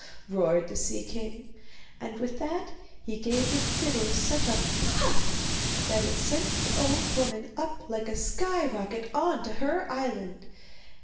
roared the sea king; and with that he gave the fiddle such a 'puff' that it sent the old woman up like a sky rocket on to her island.